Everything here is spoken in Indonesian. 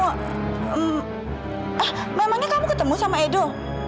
ah memangnya kamu ketemu sama edo